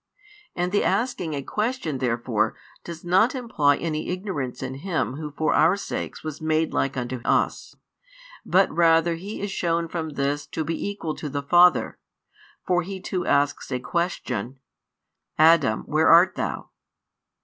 And the asking a question therefore does not imply any ignorance in Him Who for our sakes was made like unto us, but rather He is shown from this to be equal to the Father; for He too asks a question: Adam, where art thou?